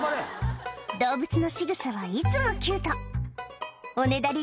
動物のしぐさはいつもキュートおねだり